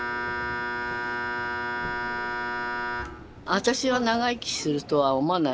私は長生きするとは思わない。